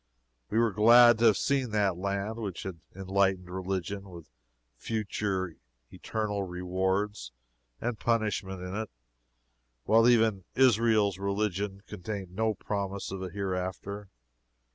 We were glad to have seen that land which had an enlightened religion with future eternal rewards and punishment in it, while even Israel's religion contained no promise of a hereafter.